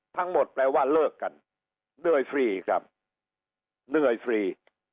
ทั้งหมดแปลว่าเลิกกันเนื่อยฟรีครับเนื่อยฟรี